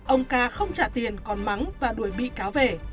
ông ca không trả tiền còn mắng và đuổi bị cáo về